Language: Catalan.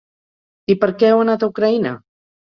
I per què heu anat a Ucraïna?